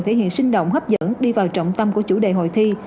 thể hiện sinh động hấp dẫn đi vào trọng tâm của chủ đề hội thi